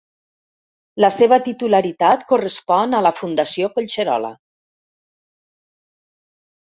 La seva titularitat correspon a la Fundació Collserola.